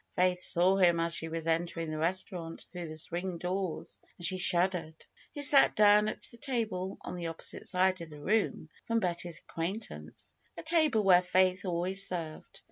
Faith saw him as she was entering the restaurant through the swing doors, and she shud dered. He sat down at a table on the opposite side of the room from Betty's acquaintance; a table where Faith always served.